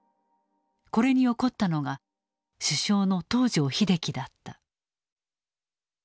これに怒ったのが首相の東條英機だった。